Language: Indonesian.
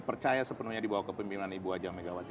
percaya sepenuhnya dibawah kepimpinan ibu haji megawati